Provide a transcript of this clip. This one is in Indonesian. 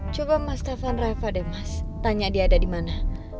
coba mas tepan reva deh mas tanya dia ada dimana